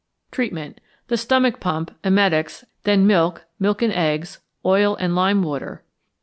Treatment. The stomach pump, emetics, then milk, milk and eggs, oil and lime water.